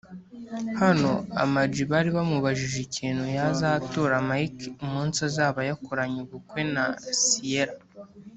Hano Am G bari bamubajije ikintu yazatura Mike umunsi azaba yakoranye ubukwe na Ciella